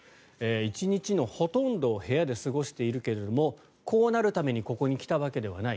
１日のほとんどを部屋で過ごしているけれどもこうなるためにここに来たわけではない。